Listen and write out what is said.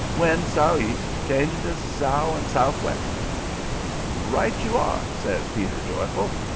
Wind sou'east, changing to south and sou'west." "Right you are!" says Peter, joyful.